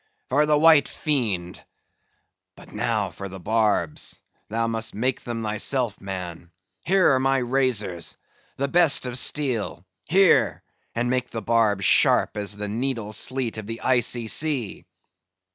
"For the white fiend! But now for the barbs; thou must make them thyself, man. Here are my razors—the best of steel; here, and make the barbs sharp as the needle sleet of the Icy Sea."